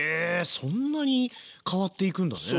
そんなに変わっていくんだね。